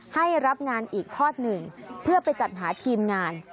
ให้รับงานอีกทอดหนึ่งเพื่อไปจัดหาทีมงาน